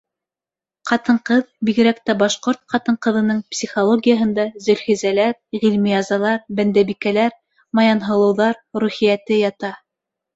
Ҡатын-ҡыҙ, бигерәк тә башҡорт ҡатын-ҡыҙының психологияһында Зөлхизәләр, Ғилмиязалар, Бәндәбикәләр, Маянһылыуҙар рухиәте ята.